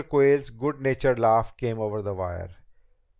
Quayle's good natured laugh came over the wire.